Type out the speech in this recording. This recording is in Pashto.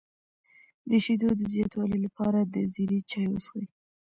د شیدو د زیاتوالي لپاره د زیرې چای وڅښئ